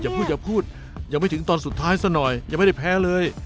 พูดอย่าพูดยังไม่ถึงตอนสุดท้ายซะหน่อยยังไม่ได้แพ้เลย